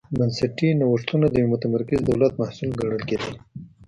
بنسټي نوښتونه د یوه متمرکز دولت محصول ګڼل کېدل.